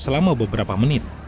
selama beberapa menit